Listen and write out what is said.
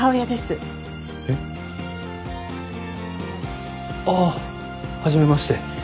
えっ？ああ初めまして。